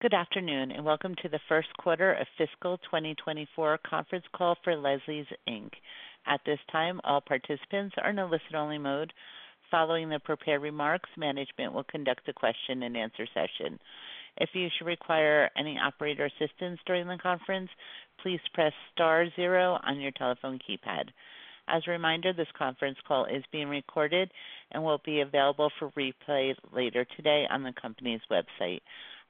Good afternoon, and welcome to the first quarter of fiscal 2024 conference call for Leslie's, Inc. At this time, all participants are in a listen-only mode. Following the prepared remarks, management will conduct a question-and-answer session. If you should require any operator assistance during the conference, please press star zero on your telephone keypad. As a reminder, this conference call is being recorded and will be available for replay later today on the company's website.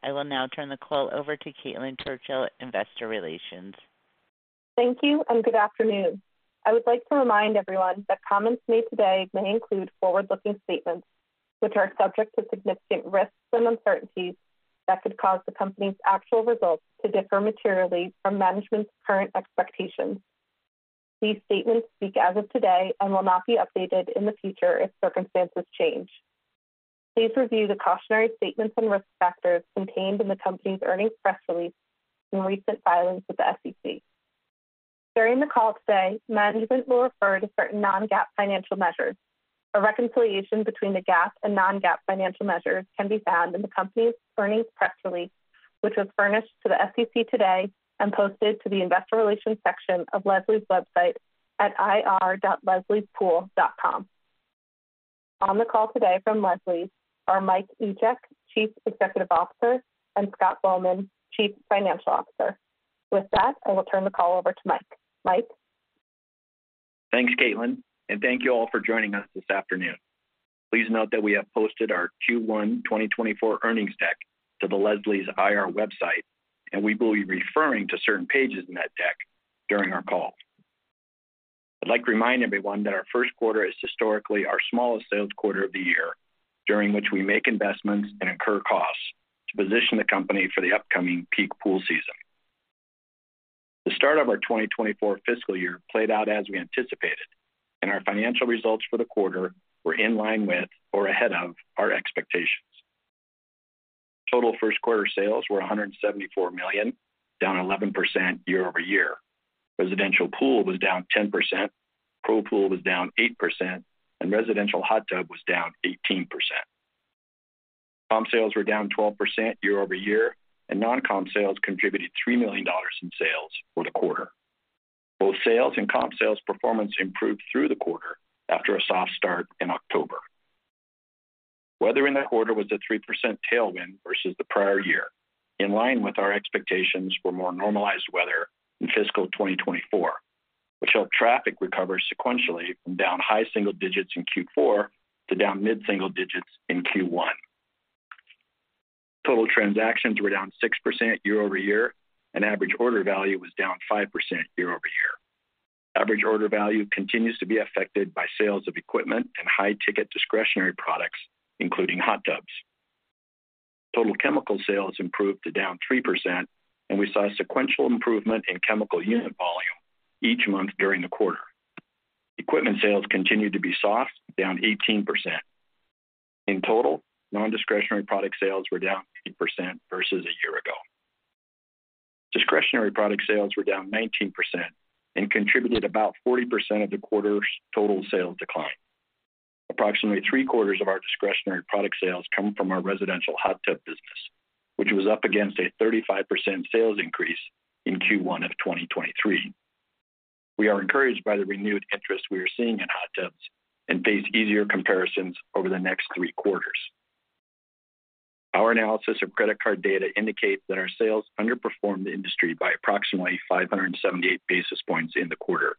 I will now turn the call over to Caitlin Churchill, Investor Relations. Thank you and good afternoon. I would like to remind everyone that comments made today may include forward-looking statements, which are subject to significant risks and uncertainties that could cause the company's actual results to differ materially from management's current expectations. These statements speak as of today and will not be updated in the future if circumstances change. Please review the cautionary statements and risk factors contained in the company's earnings press release and recent filings with the SEC. During the call today, management will refer to certain non-GAAP financial measures. A reconciliation between the GAAP and non-GAAP financial measures can be found in the company's earnings press release, which was furnished to the SEC today and posted to the investor relations section of Leslie's website at ir.lesliespool.com. On the call today from Leslie's are Mike Egeck, Chief Executive Officer, and Scott Bowman, Chief Financial Officer. With that, I will turn the call over to Mike. Mike? Thanks, Caitlin, and thank you all for joining us this afternoon. Please note that we have posted our Q1 2024 earnings deck to the Leslie's IR website, and we will be referring to certain pages in that deck during our call. I'd like to remind everyone that our first quarter is historically our smallest sales quarter of the year, during which we make investments and incur costs to position the company for the upcoming peak pool season. The start of our 2024 fiscal year played out as we anticipated, and our financial results for the quarter were in line with or ahead of our expectations. Total first quarter sales were $174,000,000, down 11% year-over-year. Residential pool was down 10%, pro pool was down 8%, and residential hot tub was down 18%. Comp sales were down 12% year over year, and non-comp sales contributed $3,000,000 in sales for the quarter. Both sales and comp sales performance improved through the quarter after a soft start in October. Weather in the quarter was a 3% tailwind versus the prior year, in line with our expectations for more normalized weather in fiscal 2024, which helped traffic recover sequentially from down high single digits in Q4 to down mid-single digits in Q1. Total transactions were down 6% year over year, and average order value was down 5% year over year. Average order value continues to be affected by sales of equipment and high-ticket discretionary products, including hot tubs. Total chemical sales improved to down 3%, and we saw a sequential improvement in chemical unit volume each month during the quarter. Equipment sales continued to be soft, down 18%. In total, non-discretionary product sales were down 50% versus a year ago. Discretionary product sales were down 19% and contributed about 40% of the quarter's total sales decline. Approximately three-quarters of our discretionary product sales come from our residential hot tub business, which was up against a 35% sales increase in Q1 of 2023. We are encouraged by the renewed interest we are seeing in hot tubs and face easier comparisons over the next 3 quarters. Our analysis of credit card data indicates that our sales underperformed the industry by approximately 578 basis points in the quarter,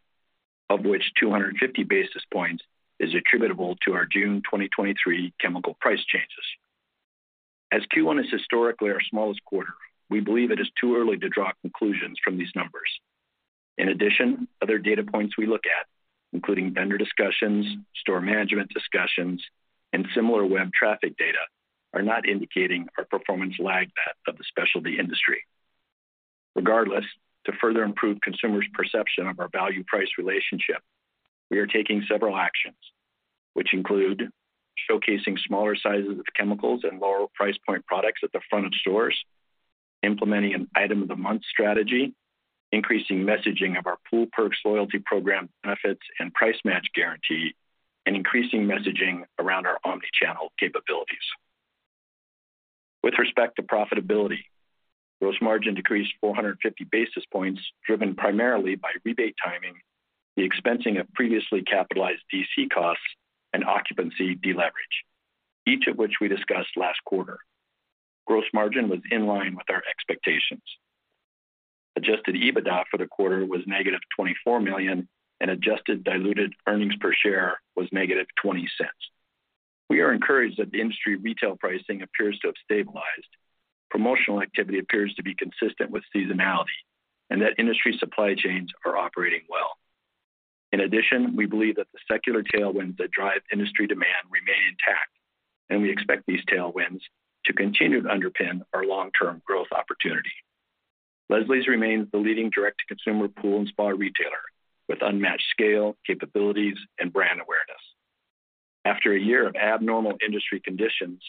of which 250 basis points is attributable to our June 2023 chemical price changes. As Q1 is historically our smallest quarter, we believe it is too early to draw conclusions from these numbers. In addition, other data points we look at, including vendor discussions, store management discussions, and SimilarWeb traffic data, are not indicating our performance lag that of the specialty industry. Regardless, to further improve consumers' perception of our value-price relationship, we are taking several actions, which include showcasing smaller sizes of chemicals and lower price point products at the front of stores, implementing an item-of-the-month strategy, increasing messaging of our Pool Perks loyalty program benefits and price match guarantee, and increasing messaging around our omnichannel capabilities. With respect to profitability, gross margin decreased 450 basis points, driven primarily by rebate timing, the expensing of previously capitalized DC costs, and occupancy deleverage, each of which we discussed last quarter. Gross margin was in line with our expectations. Adjusted EBITDA for the quarter was -$24,000,000, and adjusted diluted earnings per share was -$0.20. We are encouraged that the industry retail pricing appears to have stabilized. Promotional activity appears to be consistent with seasonality and that industry supply chains are operating well. In addition, we believe that the secular tailwinds that drive industry demand remain intact, and we expect these tailwinds to continue to underpin our long-term growth opportunity. Leslie's remains the leading direct-to-consumer pool and spa retailer, with unmatched scale, capabilities, and brand awareness. After a year of abnormal industry conditions,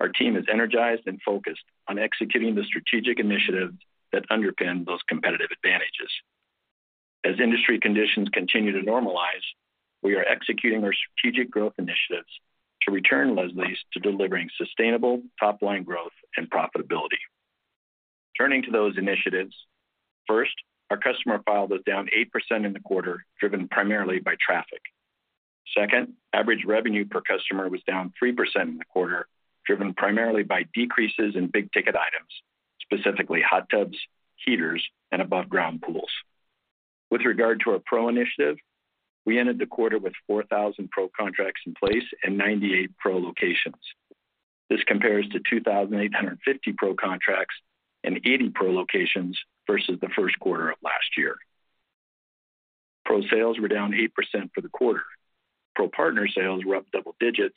our team is energized and focused on executing the strategic initiatives that underpin those competitive advantages. As industry conditions continue to normalize, we are executing our strategic growth initiatives to return Leslie's to delivering sustainable top-line growth and profitability. Turning to those initiatives, first, our customer file was down 8% in the quarter, driven primarily by traffic. Second, average revenue per customer was down 3% in the quarter, driven primarily by decreases in big-ticket items, specifically hot tubs, heaters, and above ground pools. With regard to our Pro initiative, we ended the quarter with 4,000 Pro contracts in place and 98 Pro locations. This compares to 2,850 Pro contracts and 80 Pro locations versus the first quarter of last year. Pro sales were down 8% for the quarter. Pro partner sales were up double digits,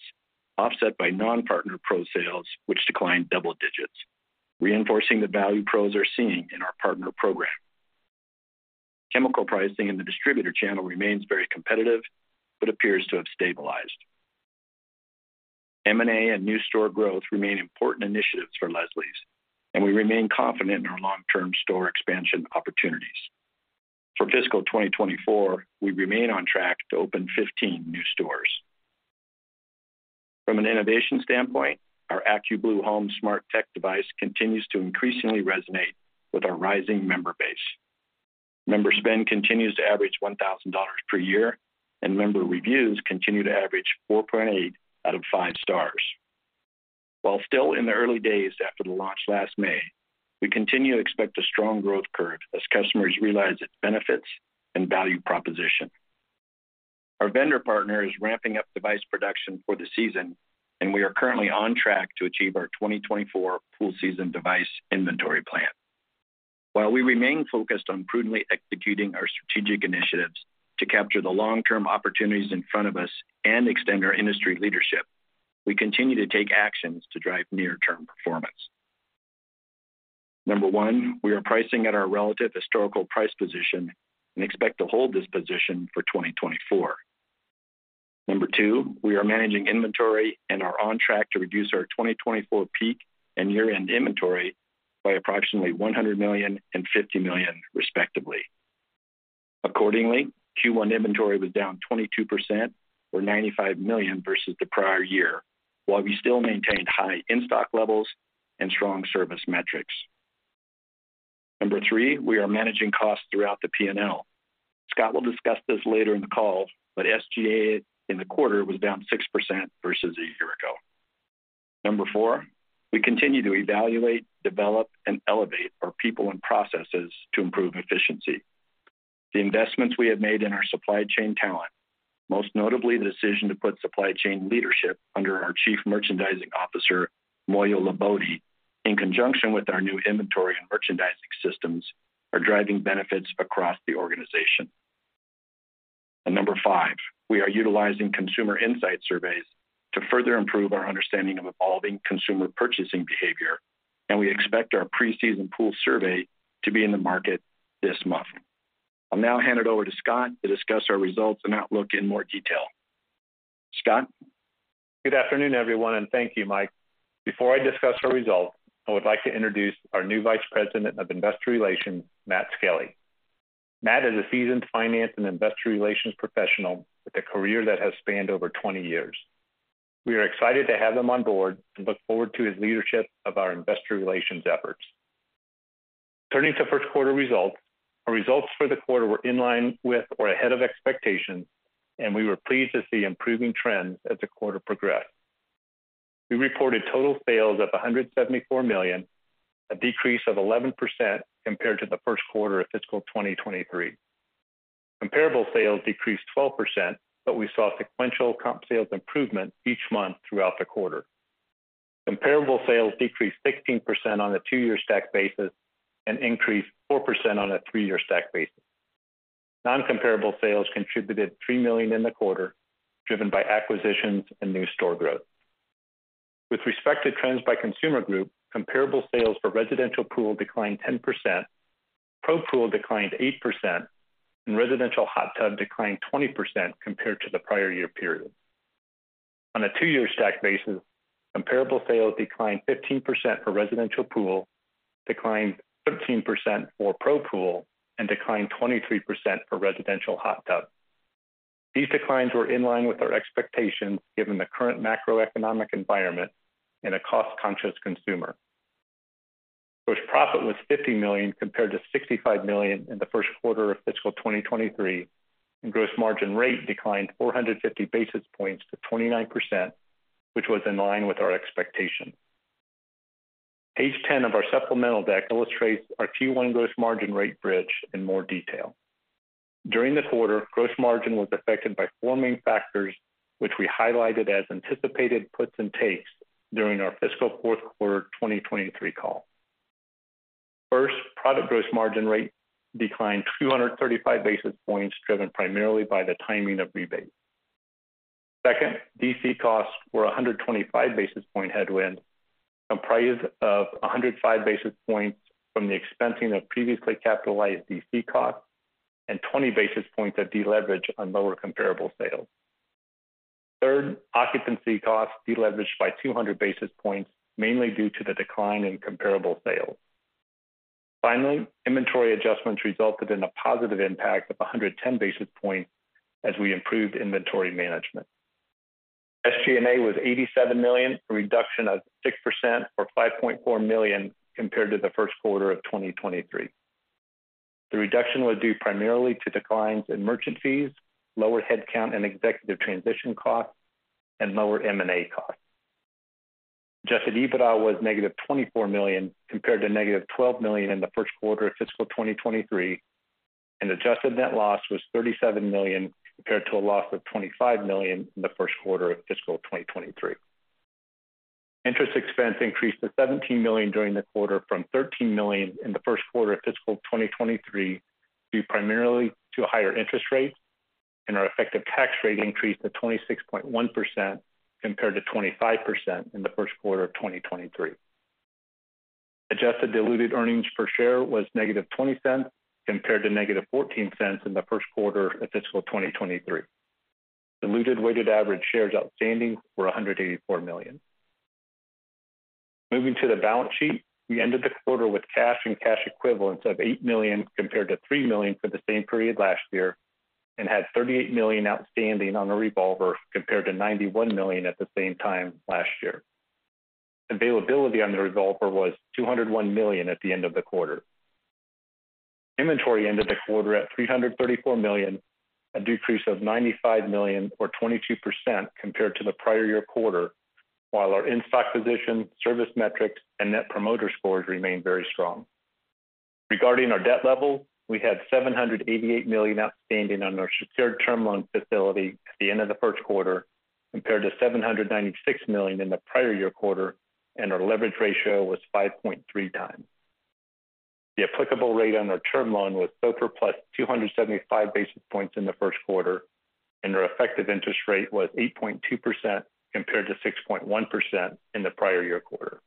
offset by non-partner Pro sales, which declined double digits, reinforcing the value Pros are seeing in our partner program. Chemical pricing in the distributor channel remains very competitive but appears to have stabilized. M&A and new store growth remain important initiatives for Leslie's, and we remain confident in our long-term store expansion opportunities. For fiscal 2024, we remain on track to open 15 new stores. From an innovation standpoint, our AccuBlue Home smart tech device continues to increasingly resonate with our rising member base. Member spend continues to average $1,000 per year, and member reviews continue to average 4.8 out of 5 stars. While still in the early days after the launch last May, we continue to expect a strong growth curve as customers realize its benefits and value proposition. Our vendor partner is ramping up device production for the season, and we are currently on track to achieve our 2024 pool season device inventory plan. While we remain focused on prudently executing our strategic initiatives to capture the long-term opportunities in front of us and extend our industry leadership, we continue to take actions to drive near-term performance. Number one, we are pricing at our relative historical price position and expect to hold this position for 2024. Number two, we are managing inventory and are on track to reduce our 2024 peak and year-end inventory by approximately $100,000,000 and $50,000,000, respectively. Accordingly, Q1 inventory was down 22% or $95,000,000 versus the prior year, while we still maintained high in-stock levels and strong service metrics. Number three, we are managing costs throughout the P&L. Scott will discuss this later in the call, but SG&A in the quarter was down 6% versus a year ago. Number four, we continue to evaluate, develop, and elevate our people and processes to improve efficiency. The investments we have made in our supply chain talent, most notably the decision to put supply chain leadership under our Chief Merchandising Officer, Moyo LaBode, in conjunction with our new inventory and merchandising systems, are driving benefits across the organization. And number five, we are utilizing consumer insight surveys to further improve our understanding of evolving consumer purchasing behavior, and we expect our pre-season pool survey to be in the market this month. I'll now hand it over to Scott to discuss our results and outlook in more detail. Scott? Good afternoon, everyone, and thank you, Mike. Before I discuss our results, I would like to introduce our new Vice President of Investor Relations, Matt Skelly. Matt is a seasoned finance and investor relations professional with a career that has spanned over 20 years. We are excited to have him on board and look forward to his leadership of our investor relations efforts. Turning to first quarter results, our results for the quarter were in line with or ahead of expectations, and we were pleased to see improving trends as the quarter progressed. We reported total sales of $174,000,000, a decrease of 11% compared to the first quarter of fiscal 2023. Comparable sales decreased 12%, but we saw sequential comp sales improvement each month throughout the quarter. Comparable sales decreased 16% on a two-year stack basis and increased 4% on a three-year stack basis. Non-comparable sales contributed $3,000,000 in the quarter, driven by acquisitions and new store growth. With respect to trends by consumer group, comparable sales for residential pool declined 10%, pro pool declined 8%, and residential hot tub declined 20% compared to the prior year period. On a two-year stack basis, comparable sales declined 15% for residential pool, declined 13% for pro pool, and declined 23% for residential hot tub. These declines were in line with our expectations, given the current macroeconomic environment and a cost-conscious consumer. Gross profit was $50,000,000, compared to $65,000,000 in the first quarter of fiscal 2023, and gross margin rate declined 450 basis points to 29%, which was in line with our expectations. Page 10 of our supplemental deck illustrates our Q1 gross margin rate bridge in more detail. During the quarter, gross margin was affected by 4 main factors, which we highlighted as anticipated puts and takes during our fiscal fourth quarter 2023 call. First, product gross margin rate declined 235 basis points, driven primarily by the timing of rebates. Second, DC costs were a 125 basis point headwind, comprised of 105 basis points from the expensing of previously capitalized DC costs and 20 basis points of deleverage on lower comparable sales.... Third, occupancy costs deleveraged by 200 basis points, mainly due to the decline in comparable sales. Finally, inventory adjustments resulted in a positive impact of 110 basis points as we improved inventory management. SG&A was $87,000,000, a reduction of 6% or $5,400,000 compared to the first quarter of 2023. The reduction was due primarily to declines in merchant fees, lower headcount and executive transition costs, and lower M&A costs. Adjusted EBITDA was -$24,000,000, compared to -$12,000,000 in the first quarter of fiscal 2023, and adjusted net loss was $37,000,000, compared to a loss of $25,000,000 in the first quarter of fiscal 2023. Interest expense increased to $17,000,000 during the quarter from $13,000,0,000,000 in the first quarter of fiscal 2023, due primarily to higher interest rates, and our effective tax rate increased to 26.1%, compared to 25% in the first quarter of 2023. Adjusted diluted earnings per share was -$0.20, compared to -$0.14 in the first quarter of fiscal 2023. Diluted weighted average shares outstanding were 184,000,000. Moving to the balance sheet, we ended the quarter with cash and cash equivalents of $8,000,000, compared to $3,000,000 for the same period last year, and had $38,000,000 outstanding on the revolver, compared to $91,000,000 at the same time last year. Availability on the revolver was $201,000,000 at the end of the quarter. Inventory ended the quarter at $334,000,000, a decrease of $95,000,000 or 22% compared to the prior year quarter, while our in-stock position, service metrics, and net promoter scores remain very strong. Regarding our debt level, we had $788,000,000 outstanding on our secured term loan facility at the end of the first quarter, compared to $796,000,000 in the prior year quarter, and our leverage ratio was 5.3 times. The applicable rate on our term loan was SOFR + 275 basis points in the first quarter, and our effective interest rate was 8.2%, compared to 6.1% in the prior year quarter.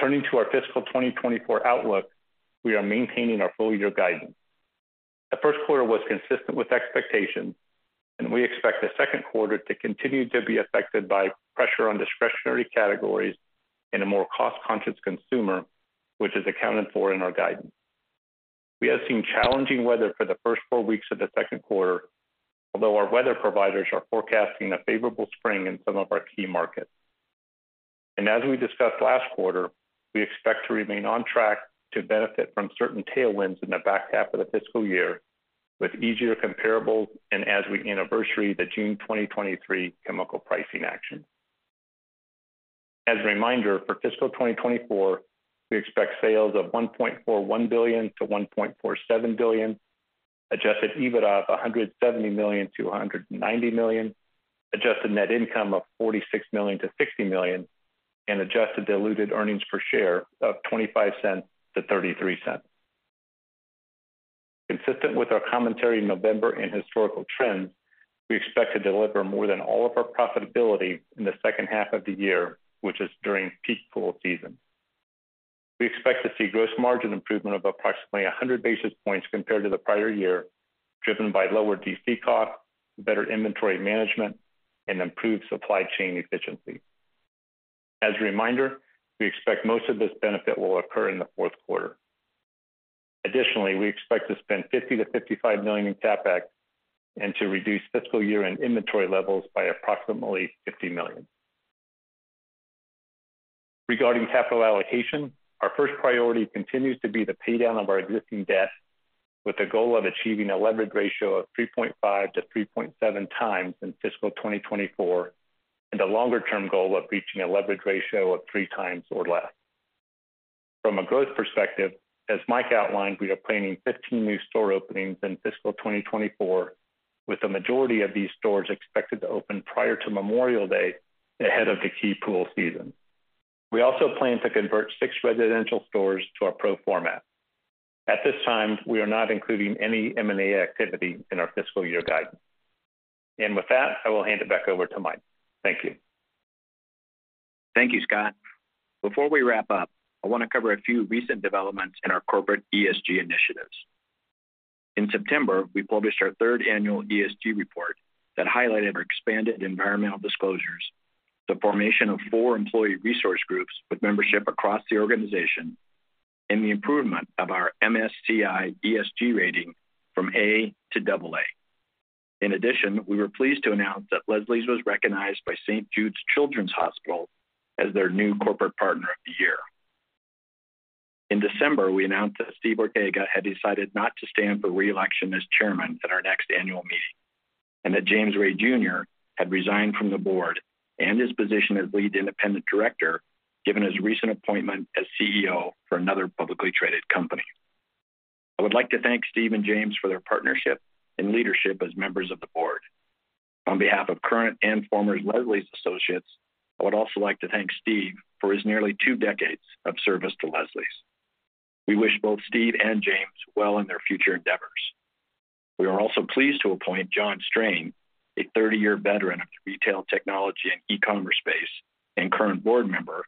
Turning to our fiscal 2024 outlook, we are maintaining our full-year guidance. The first quarter was consistent with expectations, and we expect the second quarter to continue to be affected by pressure on discretionary categories and a more cost-conscious consumer, which is accounted for in our guidance. We have seen challenging weather for the first 4 weeks of the second quarter, although our weather providers are forecasting a favorable spring in some of our key markets. As we discussed last quarter, we expect to remain on track to benefit from certain tailwinds in the back half of the fiscal year, with easier comparables and as we anniversary the June 2023 chemical pricing action. As a reminder, for fiscal 2024, we expect sales of $1,410,000,000-$1,470,000,000, adjusted EBITDA of $170,000,000-$190,000,000, adjusted net income of $46,000,000-$60,000,000, and adjusted diluted earnings per share of $0.25-$0.33. Consistent with our commentary in November and historical trends, we expect to deliver more than all of our profitability in the second half of the year, which is during peak pool season. We expect to see gross margin improvement of approximately 100 basis points compared to the prior year, driven by lower DC costs, better inventory management, and improved supply chain efficiency. As a reminder, we expect most of this benefit will occur in the fourth quarter. Additionally, we expect to spend $50,000,000-$55,000,000 in CapEx and to reduce fiscal year-end inventory levels by approximately $50,000,000. Regarding capital allocation, our first priority continues to be the paydown of our existing debt, with the goal of achieving a leverage ratio of 3.5x-3.7x in fiscal 2024, and a longer-term goal of reaching a leverage ratio of 3x or less. From a growth perspective, as Mike outlined, we are planning 15 new store openings in fiscal 2024, with the majority of these stores expected to open prior to Memorial Day, ahead of the key pool season. We also plan to convert 6 residential stores to our pro format. At this time, we are not including any M&A activity in our fiscal year guidance. And with that, I will hand it back over to Mike. Thank you. Thank you, Scott. Before we wrap up, I want to cover a few recent developments in our corporate ESG initiatives. In September, we published our third annual ESG report that highlighted our expanded environmental disclosures, the formation of four employee resource groups with membership across the organization, and the improvement of our MSCI ESG rating from A to double A. In addition, we were pleased to announce that Leslie's was recognized by St. Jude Children's Research Hospital as their new corporate partner of the year. In December, we announced that Steven Ortega had decided not to stand for re-election as chairman at our next annual meeting, and that James Ray Jr. had resigned from the board and his position as lead independent director, given his recent appointment as CEO for another publicly traded company. I would like to thank Steve and James for their partnership and leadership as members of the board. On behalf of current and former Leslie's associates, I would also like to thank Steve for his nearly two decades of service to Leslie's. We wish both Steve and James well in their future endeavors. We are also pleased to appoint John Strain, a 30-year veteran of the retail, technology, and e-commerce space and current board member,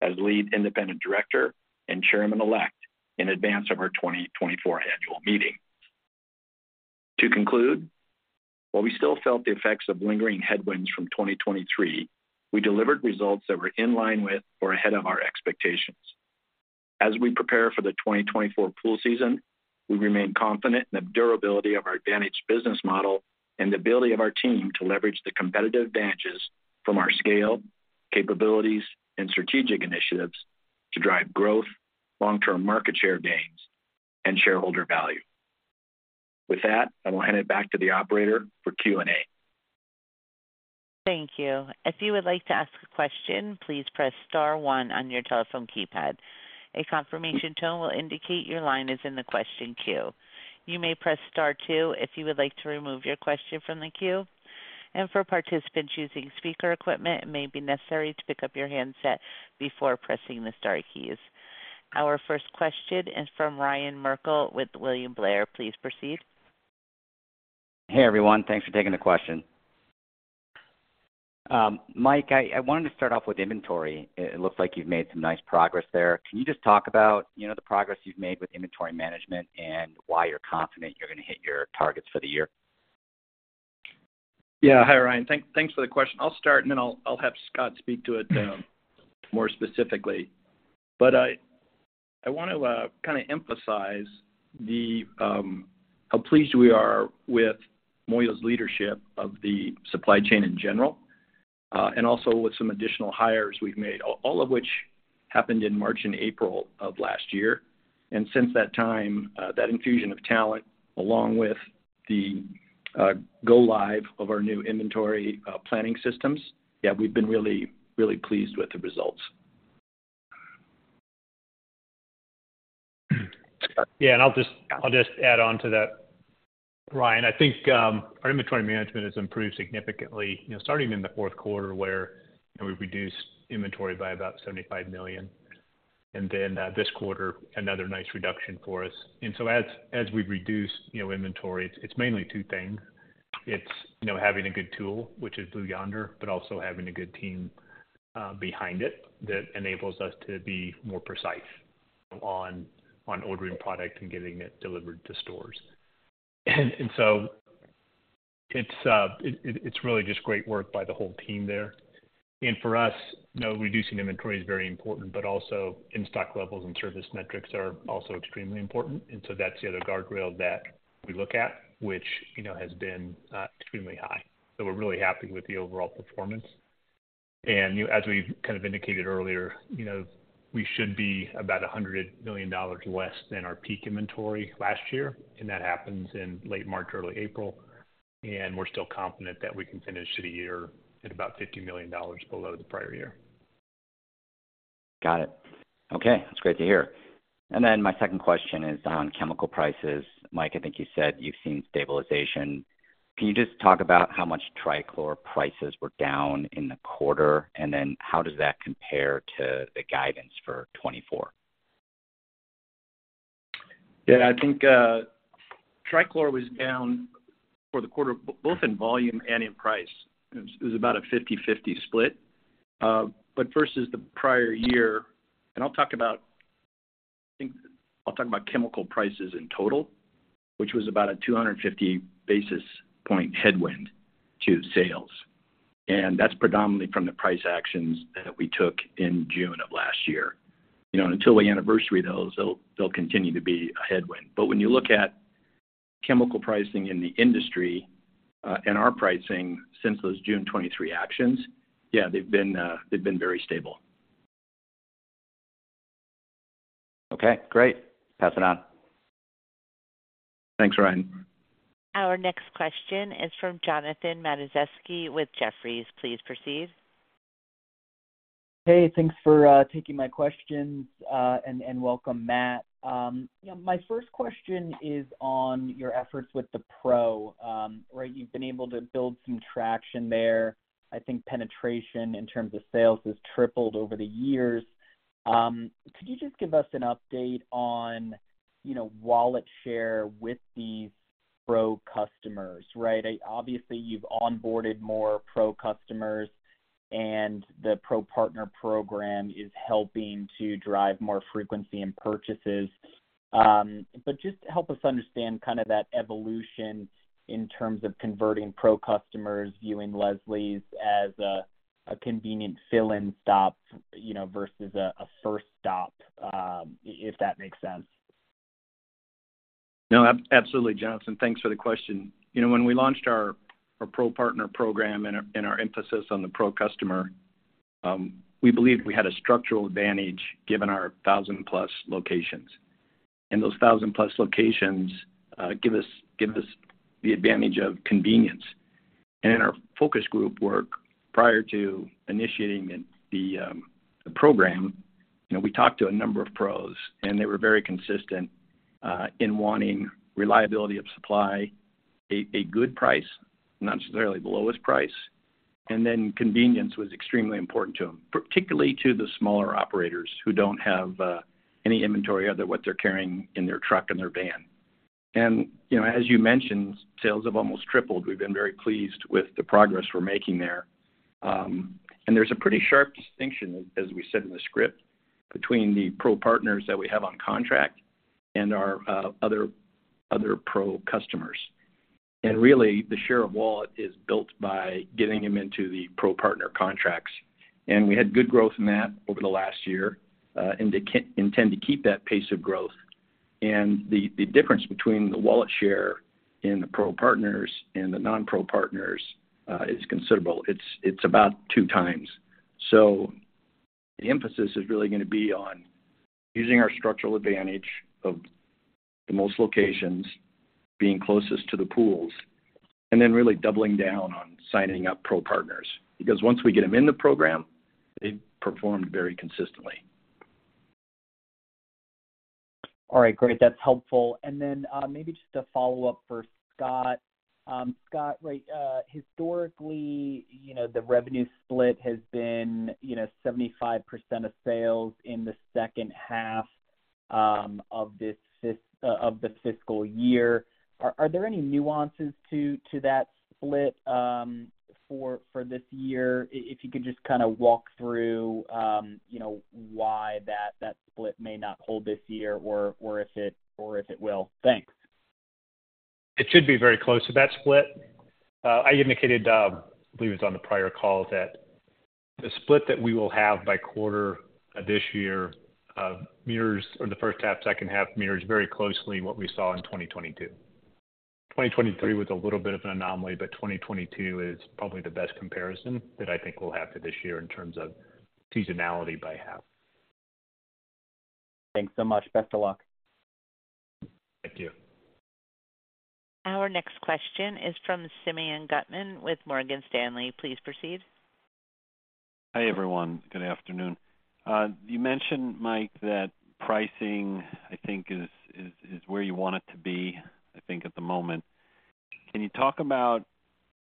as lead independent director and chairman-elect in advance of our 2024 annual meeting. To conclude, while we still felt the effects of lingering headwinds from 2023, we delivered results that were in line with or ahead of our expectations. As we prepare for the 2024 pool season, we remain confident in the durability of our advantaged business model and the ability of our team to leverage the competitive advantages from our scale, capabilities, and strategic initiatives to drive growth, long-term market share gains, and shareholder value. With that, I will hand it back to the operator for Q&A. Thank you. If you would like to ask a question, please press star one on your telephone keypad. A confirmation tone will indicate your line is in the question queue. You may press star two if you would like to remove your question from the queue. And for participants using speaker equipment, it may be necessary to pick up your handset before pressing the star keys. Our first question is from Ryan Merkel with William Blair. Please proceed. Hey, everyone. Thanks for taking the question. Mike, I wanted to start off with inventory. It looks like you've made some nice progress there. Can you just talk about, you know, the progress you've made with inventory management and why you're confident you're going to hit your targets for the year? Yeah. Hi, Ryan. Thanks for the question. I'll start, and then I'll have Scott speak to it more specifically. But I want to kind of emphasize how pleased we are with Moyo's leadership of the supply chain in general, and also with some additional hires we've made, all of which happened in March and April of last year. And since that time, that infusion of talent, along with the go live of our new inventory planning systems, yeah, we've been really, really pleased with the results. Yeah, and I'll just add on to that, Ryan. I think, our inventory management has improved significantly, you know, starting in the fourth quarter, where we've reduced inventory by about $75,000,000, and then, this quarter, another nice reduction for us. And so as we've reduced, you know, inventory, it's mainly two things. It's, you know, having a good tool, which is Blue Yonder, but also having a good team behind it that enables us to be more precise on ordering product and getting it delivered to stores. And so it's really just great work by the whole team there. And for us, you know, reducing inventory is very important, but also in-stock levels and service metrics are also extremely important. And so that's the other guardrail that we look at, which, you know, has been extremely high. We're really happy with the overall performance. As we've kind of indicated earlier, you know, we should be about $100,000,000 less than our peak inventory last year, and that happens in late March, early April. We're still confident that we can finish the year at about $50,000,000 below the prior year. Got it. Okay, that's great to hear. And then my second question is on chemical prices. Mike, I think you said you've seen stabilization. Can you just talk about how much trichlor prices were down in the quarter, and then how does that compare to the guidance for 2024? Yeah, I think, trichlor was down for the quarter, both in volume and in price. It was about a 50/50 split. But versus the prior year, and I'll talk about, I think I'll talk about chemical prices in total, which was about a 250 basis point headwind to sales, and that's predominantly from the price actions that we took in June of last year. You know, until we anniversary those, they'll, they'll continue to be a headwind. But when you look at chemical pricing in the industry, and our pricing since those June 2023 actions, yeah, they've been, they've been very stable. Okay, great. Pass it on. Thanks, Ryan. Our next question is from Jonathan Matuszewski with Jefferies. Please proceed. Hey, thanks for taking my questions, and welcome, Matt. Yeah, my first question is on your efforts with the Pro. Right, you've been able to build some traction there. I think penetration in terms of sales has tripled over the years. Could you just give us an update on, you know, wallet share with these Pro customers, right? Obviously, you've onboarded more Pro customers, and the Pro Partner Program is helping to drive more frequency in purchases. But just help us understand kind of that evolution in terms of converting Pro customers, viewing Leslie's as a convenient fill-in stop, you know, versus a first stop, if that makes sense. No, absolutely, Jonathan. Thanks for the question. You know, when we launched our Pro Partner Program and our emphasis on the Pro customer, we believed we had a structural advantage given our 1,000+ locations. And those 1,000+ locations give us the advantage of convenience. And in our focus group work, prior to initiating the program, you know, we talked to a number of pros, and they were very consistent in wanting reliability of supply, a good price, not necessarily the lowest price, and then convenience was extremely important to them, particularly to the smaller operators who don't have any inventory other what they're carrying in their truck and their van. And, you know, as you mentioned, sales have almost tripled. We've been very pleased with the progress we're making there. And there's a pretty sharp distinction, as we said in the script, between the Pro Partners that we have on contract and our other pro customers. And really, the share of wallet is built by getting them into the Pro Partner contracts. And we had good growth in that over the last year and intend to keep that pace of growth. And the difference between the wallet share in the Pro Partners and the non-pro partners is considerable. It's about two times. So the emphasis is really gonna be on using our structural advantage of the most locations, being closest to the pools, and then really doubling down on signing up Pro Partners, because once we get them in the program, they've performed very consistently. All right, great. That's helpful. And then, maybe just a follow-up for Scott. Scott, right, historically, you know, the revenue split has been, you know, 75% of sales in the second half of this fiscal year. Are there any nuances to that split for this year? If you could just kind of walk through, you know, why that split may not hold this year or if it will. Thanks. It should be very close to that split. I indicated, I believe it was on the prior call, that the split that we will have by quarter of this year, mirrors or the first half, second half mirrors very closely what we saw in 2022. 2023 was a little bit of an anomaly, but 2022 is probably the best comparison that I think we'll have to this year in terms of seasonality by half. Thanks so much. Best of luck. Thank you. Our next question is from Simeon Gutman with Morgan Stanley. Please proceed. Hi, everyone. Good afternoon. You mentioned, Mike, that pricing, I think, is where you want it to be, I think at the moment. Can you talk about,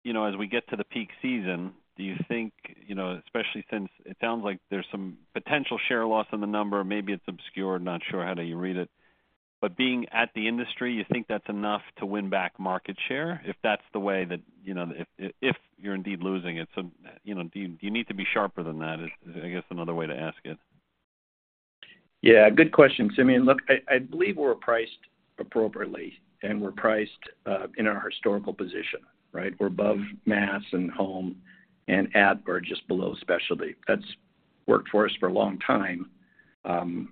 you know, as we get to the peak season, do you think, you know, especially since it sounds like there's some potential share loss in the number, maybe it's obscure, not sure how do you read it, but being at the industry, you think that's enough to win back market share? If that's the way that, you know, if you're indeed losing it, so, you know, do you need to be sharper than that, is, I guess, another way to ask it. Yeah, good question, Simeon. Look, I believe we're priced appropriately, and we're priced in our historical position, right? We're above mass and home and at, or just below specialty. That's worked for us for a long time.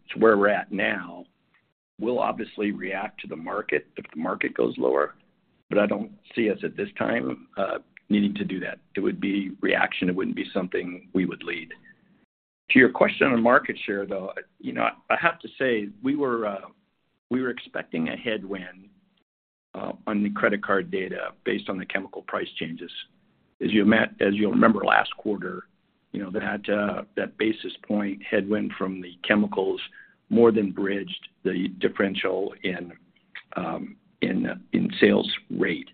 It's where we're at now. We'll obviously react to the market if the market goes lower, but I don't see us at this time needing to do that. It would be reaction. It wouldn't be something we would lead. To your question on market share, though, you know, I have to say, we were expecting a headwind on the credit card data based on the chemical price changes. As you'll remember, last quarter, you know, that basis point headwind from the chemicals more than bridged the differential in sales rate.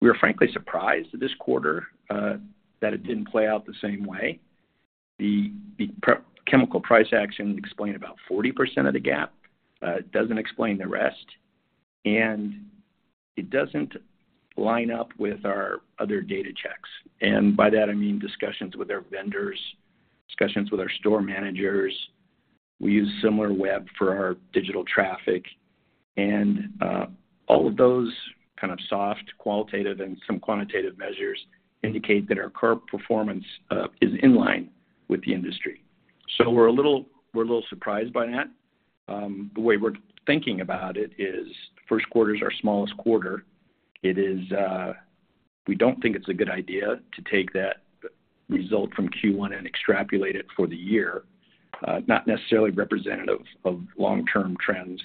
We were frankly surprised this quarter that it didn't play out the same way. The chemical price action explained about 40% of the gap, doesn't explain the rest, and it doesn't line up with our other data checks, and by that I mean discussions with our vendors, discussions with our store managers. We use SimilarWeb for our digital traffic, and all of those kind of soft, qualitative, and some quantitative measures indicate that our current performance is in line with the industry. So we're a little surprised by that. The way we're thinking about it is, first quarter is our smallest quarter. It is, we don't think it's a good idea to take that result from Q1 and extrapolate it for the year. Not necessarily representative of long-term trends.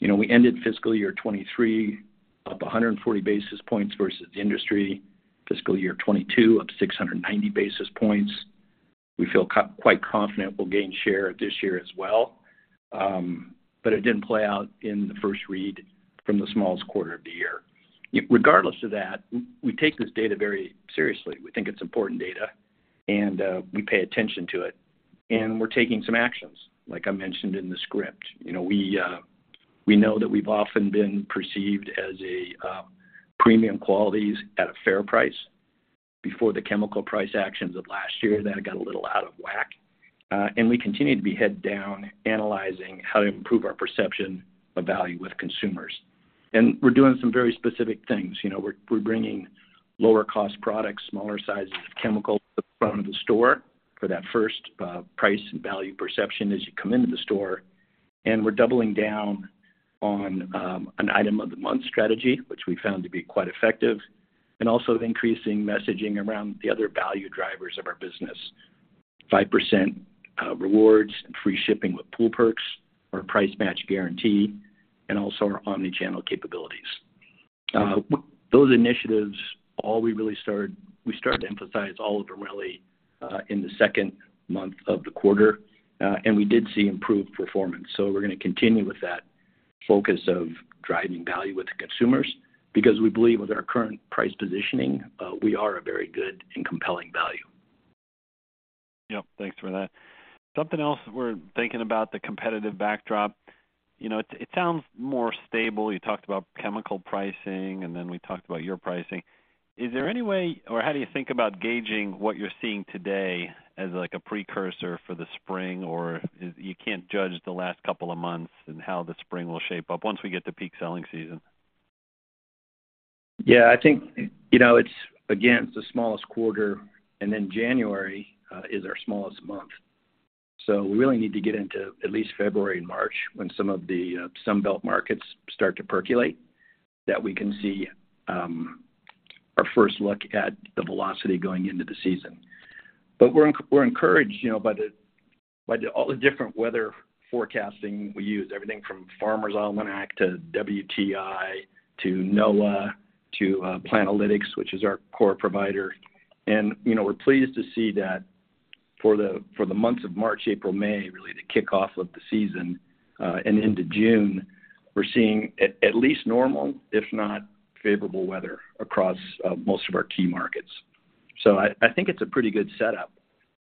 You know, we ended fiscal year 2023, up 140 basis points versus industry, fiscal year 2022, up 690 basis points. We feel quite confident we'll gain share this year as well. But it didn't play out in the first read from the smallest quarter of the year. Regardless of that, we take this data very seriously. We think it's important data, and we pay attention to it, and we're taking some actions, like I mentioned in the script. You know, we, we know that we've often been perceived as a premium qualities at a fair price before the chemical price actions of last year. That got a little out of whack, and we continue to be head down, analyzing how to improve our perception of value with consumers. We're doing some very specific things. You know, we're bringing lower cost products, smaller sizes of chemical to the front of the store for that first price and value perception as you come into the store. We're doubling down on an item of the month strategy, which we found to be quite effective, and also increasing messaging around the other value drivers of our business. 5% rewards, free shipping with Pool Perks, our price match guarantee, and also our omni-channel capabilities. Those initiatives, we started to emphasize all of it, really, in the second month of the quarter, and we did see improved performance. So we're gonna continue with that focus of driving value with the consumers because we believe with our current price positioning, we are a very good and compelling value.... Yep, thanks for that. Something else we're thinking about, the competitive backdrop. You know, it sounds more stable. You talked about chemical pricing, and then we talked about your pricing. Is there any way, or how do you think about gauging what you're seeing today as, like, a precursor for the spring? Or you can't judge the last couple of months and how the spring will shape up once we get to peak selling season? Yeah, I think, you know, it's, again, it's the smallest quarter, and then January is our smallest month. So we really need to get into at least February and March, when some of the Sun Belt markets start to percolate, that we can see our first look at the velocity going into the season. But we're encouraged, you know, by the, by all the different weather forecasting we use, everything from Farmer's Almanac to WTI to NOAA to Planalytics, which is our core provider. And, you know, we're pleased to see that for the, for the months of March, April, May, really, the kickoff of the season, and into June, we're seeing at least normal, if not favorable weather across most of our key markets. So I think it's a pretty good setup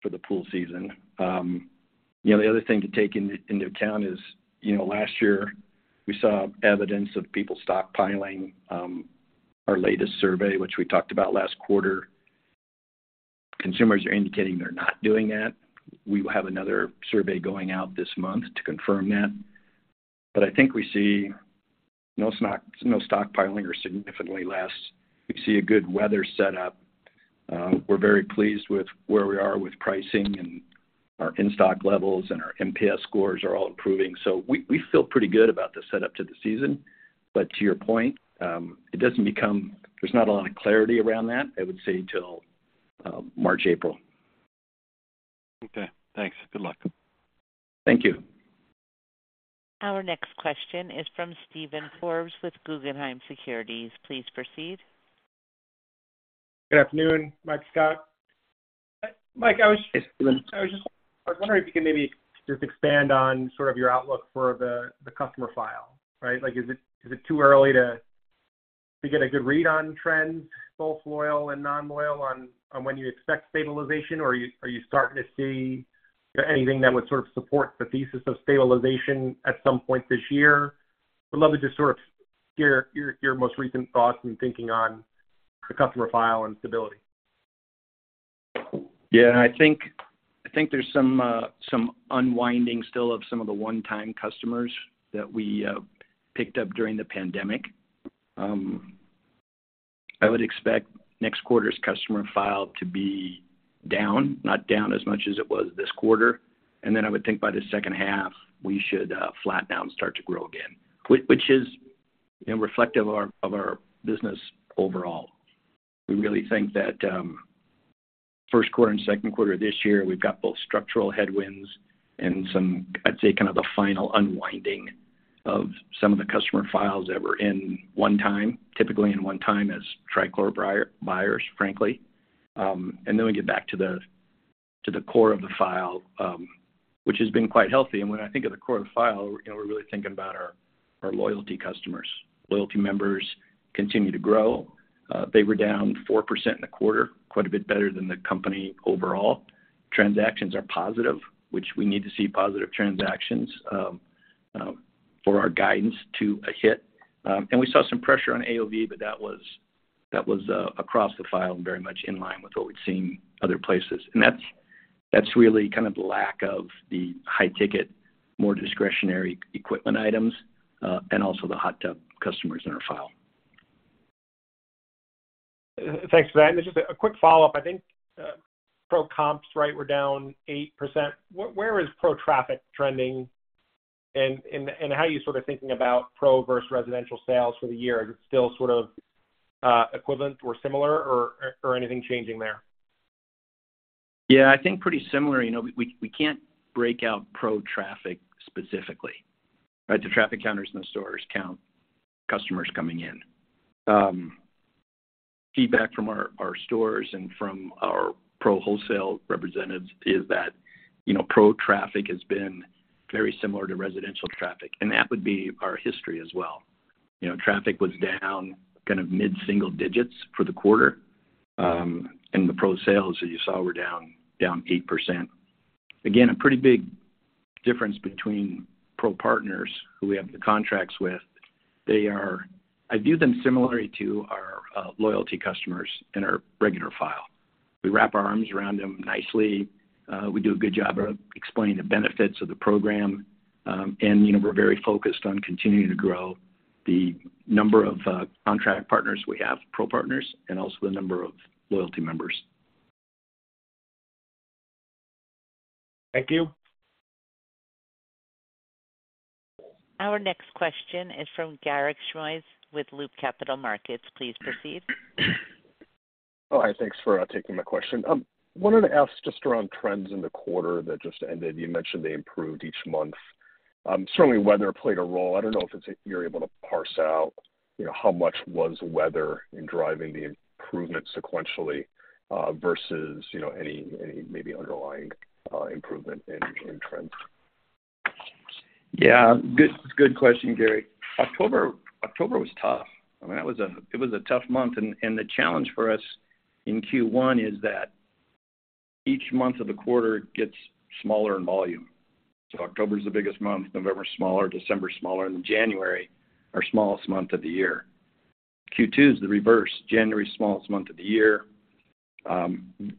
for the pool season. You know, the other thing to take into account is, you know, last year, we saw evidence of people stockpiling. Our latest survey, which we talked about last quarter, consumers are indicating they're not doing that. We will have another survey going out this month to confirm that. But I think we see no stock, no stockpiling or significantly less. We see a good weather setup. We're very pleased with where we are with pricing and our in-stock levels, and our NPS scores are all improving. So we feel pretty good about the setup to the season, but to your point, it doesn't become. There's not a lot of clarity around that, I would say, till March, April. Okay, thanks. Good luck. Thank you. Our next question is from Steven Forbes with Guggenheim Securities. Please proceed. Good afternoon, Mike Scott. Mike, I was- Hey, Steven. I was just, I was wondering if you could maybe just expand on sort of your outlook for the, the customer file, right? Like, is it, is it too early to, to get a good read on trends, both loyal and non-loyal, on, on when you expect stabilization? Or are you, are you starting to see anything that would sort of support the thesis of stabilization at some point this year? I'd love to just sort of hear your, your most recent thoughts and thinking on the customer file and stability. Yeah, I think, I think there's some unwinding still of some of the one-time customers that we picked up during the pandemic. I would expect next quarter's customer file to be down, not down as much as it was this quarter. And then I would think by the second half, we should flatten out and start to grow again, which is, you know, reflective of our business overall. We really think that first quarter and second quarter this year, we've got both structural headwinds and some, I'd say, kind of the final unwinding of some of the customer files that were one time, typically one time as Trichlor buyers, frankly. And then we get back to the core of the file, which has been quite healthy. When I think of the core of the file, you know, we're really thinking about our loyalty customers. Loyalty members continue to grow. They were down 4% in the quarter, quite a bit better than the company overall. Transactions are positive, which we need to see positive transactions for our guidance to hit. And we saw some pressure on AOV, but that was across the file and very much in line with what we've seen other places. And that's really kind of the lack of the high-ticket, more discretionary equipment items, and also the hot tub customers in our file. Thanks for that. And just a quick follow-up. I think pro comps, right, were down 8%. Where is pro traffic trending, and how are you sort of thinking about pro versus residential sales for the year? Is it still sort of equivalent or similar, or anything changing there? Yeah, I think pretty similar. You know, we can't break out pro traffic specifically, right? The traffic counters in the stores count customers coming in. Feedback from our stores and from our pro wholesale representatives is that, you know, pro traffic has been very similar to residential traffic, and that would be our history as well. You know, traffic was down kind of mid-single digits for the quarter, and the pro sales, as you saw, were down 8%. Again, a pretty big difference between pro partners who we have the contracts with. They are. I view them similarly to our loyalty customers in our regular file. We wrap our arms around them nicely. We do a good job of explaining the benefits of the program. You know, we're very focused on continuing to grow the number of contract partners we have, pro partners, and also the number of loyalty members. Thank you. Our next question is from Garik Shmois with Loop Capital Markets. Please proceed. Hi, thanks for taking my question. Wanted to ask just around trends in the quarter that just ended. Certainly weather played a role. I don't know if it's, you're able to parse out, you know, how much was weather in driving the improvement sequentially, versus, you know, any, any maybe underlying improvement in, in trends?... Yeah, good, good question, Garik. October, October was tough. I mean, that was a, it was a tough month. And, and the challenge for us in Q1 is that each month of the quarter gets smaller in volume. So October is the biggest month, November, smaller, December, smaller, and January, our smallest month of the year. Q2 is the reverse. January, smallest month of the year.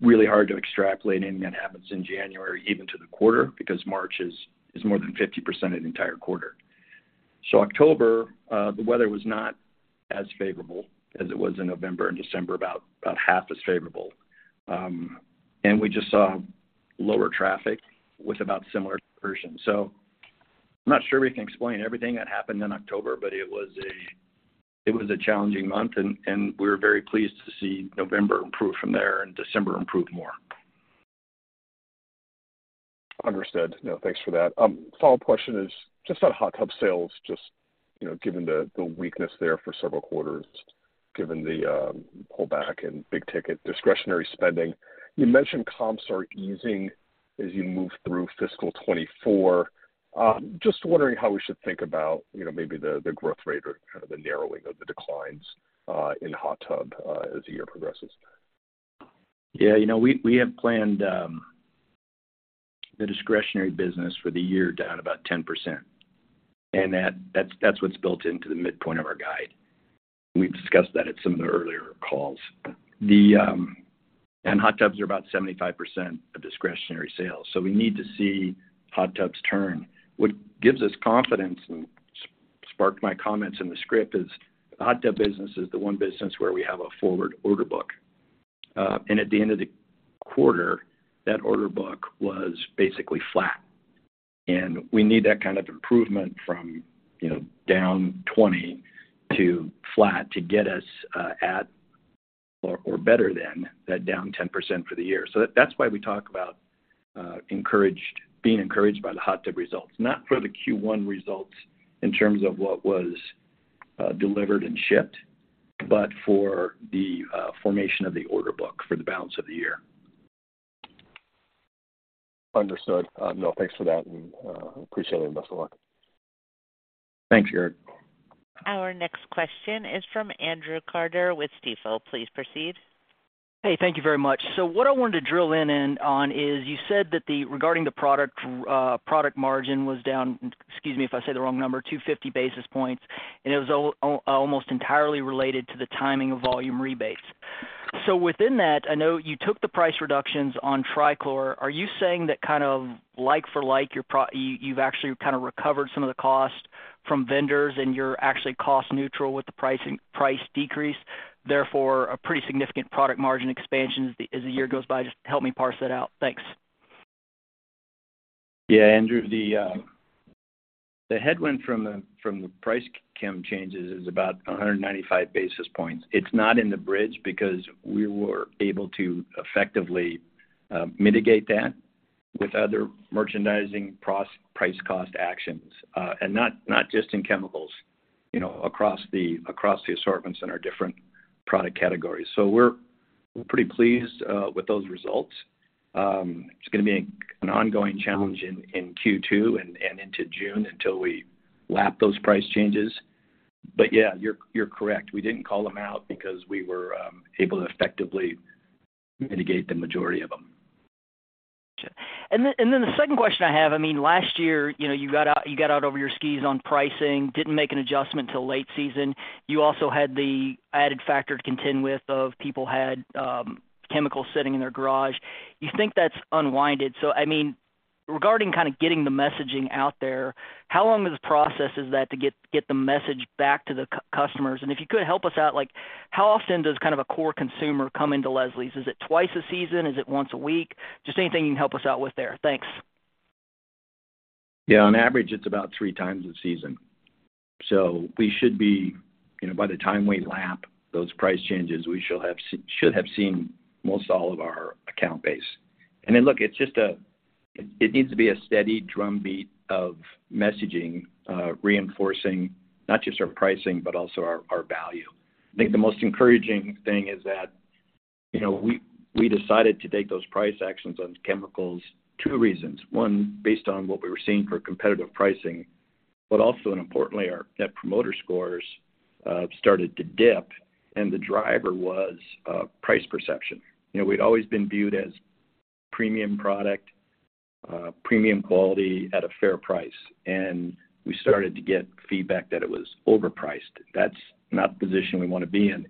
Really hard to extrapolate anything that happens in January, even to the quarter, because March is, is more than 50% of the entire quarter. So October, the weather was not as favorable as it was in November and December, about, about half as favorable. And we just saw lower traffic with about similar conversion. I'm not sure we can explain everything that happened in October, but it was a challenging month, and we were very pleased to see November improve from there and December improve more. Understood. No, thanks for that. Follow-up question is just on hot tub sales, just, you know, given the, the weakness there for several quarters, given the, pullback in big-ticket discretionary spending. You mentioned comps are easing as you move through fiscal 2024. Just wondering how we should think about, you know, maybe the, the growth rate or kind of the narrowing of the declines, in hot tub, as the year progresses. Yeah, you know, we have planned the discretionary business for the year down about 10%, and that's what's built into the midpoint of our guide. We've discussed that at some of the earlier calls. Hot tubs are about 75% of discretionary sales, so we need to see hot tubs turn. What gives us confidence and sparked my comments in the script is, the hot tub business is the one business where we have a forward order book. And at the end of the quarter, that order book was basically flat, and we need that kind of improvement from, you know, down 20 to flat to get us at or better than that down 10% for the year. So that's why we talk about being encouraged by the hot tub results, not for the Q1 results in terms of what was delivered and shipped, but for the formation of the order book for the balance of the year. Understood. No, thanks for that, and appreciate it. Best of luck. Thanks, Gary. Our next question is from Andrew Carter with Stifel. Please proceed. Hey, thank you very much. So what I wanted to drill in on is, you said that the, regarding the product, product margin was down, excuse me if I say the wrong number, 250 basis points, and it was almost entirely related to the timing of volume rebates. So within that, I know you took the price reductions on Trichlor. Are you saying that kind of like for like, you're you, you've actually kind of recovered some of the cost from vendors, and you're actually cost neutral with the pricing, price decrease, therefore, a pretty significant product margin expansion as the, as the year goes by? Just help me parse that out. Thanks. Yeah, Andrew, the headwind from the price chem changes is about 195 basis points. It's not in the bridge because we were able to effectively mitigate that with other merchandising pros, price cost actions, and not just in chemicals, you know, across the assortments in our different product categories. So we're pretty pleased with those results. It's going to be an ongoing challenge in Q2 and into June until we lap those price changes. But yeah, you're correct. We didn't call them out because we were able to effectively mitigate the majority of them. Gotcha. And then the second question I have, I mean, last year, you know, you got out over your skis on pricing, didn't make an adjustment till late season. You also had the added factor to contend with of people had chemicals sitting in their garage. You think that's unwound? So I mean, regarding kind of getting the messaging out there, how long of a process is that to get the message back to the customers? And if you could help us out, like, how often does kind of a core consumer come into Leslie's? Is it twice a season? Is it once a week? Just anything you can help us out with there. Thanks. Yeah, on average, it's about three times a season. So we should be, you know, by the time we lap those price changes, we should have seen most all of our account base. And then, look, it's just it needs to be a steady drumbeat of messaging, reinforcing not just our pricing, but also our value. I think the most encouraging thing is that, you know, we decided to take those price actions on chemicals, two reasons. One, based on what we were seeing for competitive pricing, but also, and importantly, our net promoter scores started to dip, and the driver was price perception. You know, we'd always been viewed as premium product, premium quality at a fair price, and we started to get feedback that it was overpriced. That's not the position we want to be in.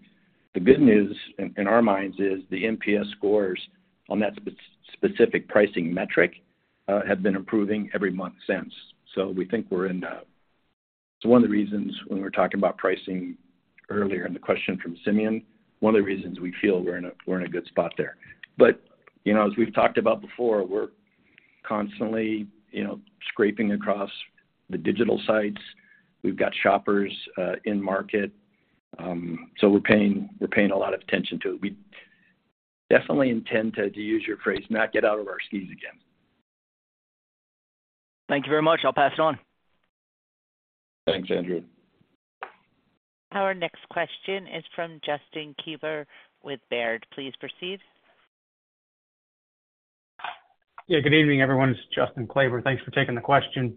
The good news, in our minds, is the NPS scores on that specific pricing metric have been improving every month since. So we think we're in. So one of the reasons when we're talking about pricing earlier in the question from Simeon, one of the reasons we feel we're in a good spot there. But, you know, as we've talked about before, we're constantly, you know, scraping across the digital sites. We've got shoppers in market. So we're paying a lot of attention to it. We definitely intend to use your phrase, not get out of our skis again. Thank you very much. I'll pass it on. Thanks, Andrew. Our next question is from Justin Kleber with Baird. Please proceed. Yeah, good evening, everyone. It's Justin Kleber. Thanks for taking the question.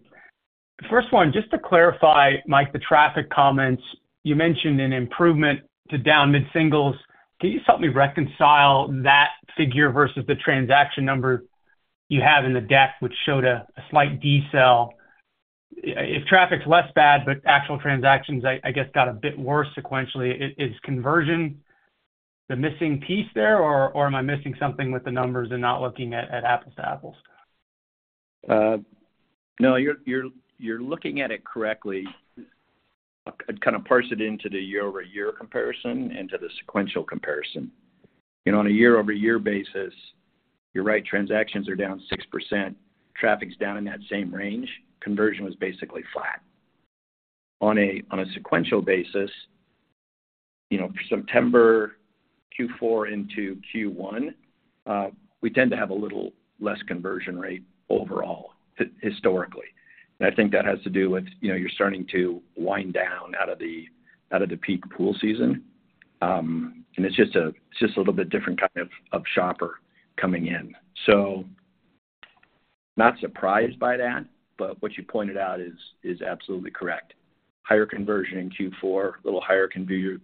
First one, just to clarify, Mike, the traffic comments. You mentioned an improvement to down mid-singles. Can you help me reconcile that figure versus the transaction number you have in the deck, which showed a slight decel? If traffic's less bad, but actual transactions, I guess, got a bit worse sequentially, is conversion the missing piece there, or am I missing something with the numbers and not looking at apples to apples? No, you're looking at it correctly. I'd kind of parse it into the year-over-year comparison and to the sequential comparison. You know, on a year-over-year basis, you're right, transactions are down 6%, traffic's down in that same range. Conversion was basically flat. On a sequential basis, you know, for September Q4 into Q1, we tend to have a little less conversion rate overall, historically. I think that has to do with, you know, you're starting to wind down out of the, out of the peak pool season, and it's just a little bit different kind of shopper coming in. So not surprised by that, but what you pointed out is absolutely correct. Higher conversion in Q4, a little higher conversion...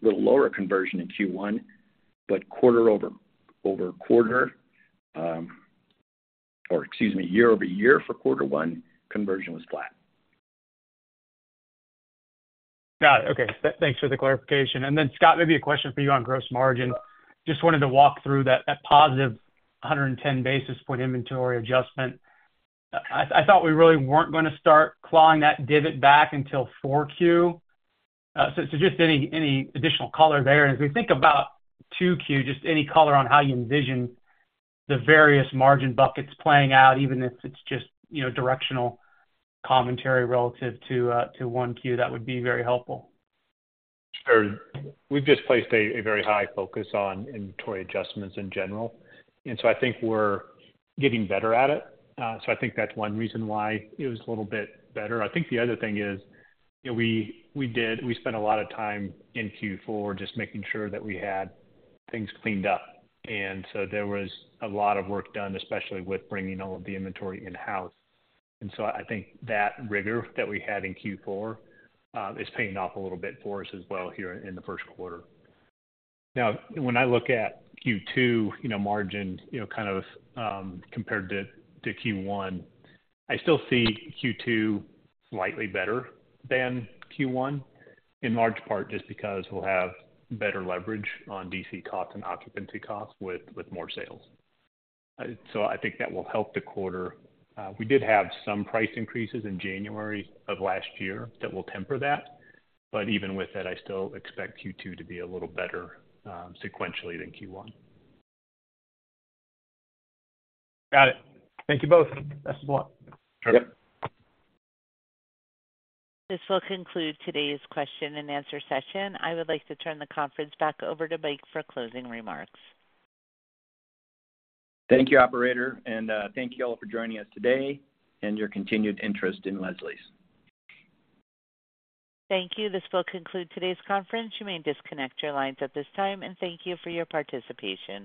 Little lower conversion in Q1, but quarter-over-quarter, or excuse me, year-over-year for quarter one, conversion was flat. Got it. Okay. Thanks for the clarification. And then, Scott, maybe a question for you on gross margin. Just wanted to walk through that positive 110 basis point inventory adjustment. I thought we really weren't going to start clawing that divot back until four Q. So just any additional color there. As we think about two Q, just any color on how you envision the various margin buckets playing out, even if it's just, you know, directional commentary relative to, to one Q, that would be very helpful. Sure. We've just placed a very high focus on inventory adjustments in general, and so I think we're getting better at it. So I think that's one reason why it was a little bit better. I think the other thing is, you know, we spent a lot of time in Q4 just making sure that we had things cleaned up, and so there was a lot of work done, especially with bringing all of the inventory in-house. And so I think that rigor that we had in Q4 is paying off a little bit for us as well here in the first quarter. Now, when I look at Q2, you know, margin, you know, kind of, compared to, to Q1, I still see Q2 slightly better than Q1, in large part just because we'll have better leverage on DC costs and occupancy costs with, with more sales. So I think that will help the quarter. We did have some price increases in January of last year that will temper that, but even with that, I still expect Q2 to be a little better, sequentially than Q1. Got it. Thank you both. Best of luck. Sure. Yep. This will conclude today's question and answer session. I would like to turn the conference back over to Mike for closing remarks. Thank you, operator, and thank you all for joining us today and your continued interest in Leslie's. Thank you. This will conclude today's conference. You may disconnect your lines at this time, and thank you for your participation.